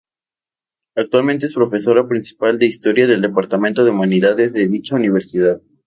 Actualmente es profesora principal de Historia del Departamento de Humanidades de dicha universidad.